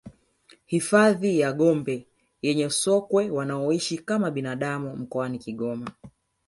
Hifadhi ya Gombe yenye sokwe wanaoishi kama binadamu mkoani Kigoma